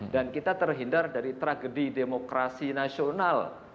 dan kita terhindar dari tragedi demokrasi nasional